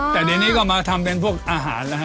แต่เดี๋ยวนี้ก็มาทำเป็นพวกอาหารแล้วฮะ